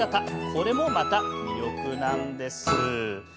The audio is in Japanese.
これもまた魅力です。